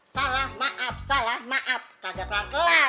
salah maaf salah maaf gak kelar kelar